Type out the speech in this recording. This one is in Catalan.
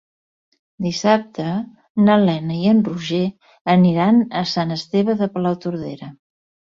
Dissabte na Lena i en Roger aniran a Sant Esteve de Palautordera.